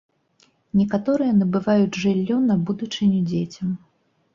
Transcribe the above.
Некаторыя набываюць жыллё на будучыню дзецям.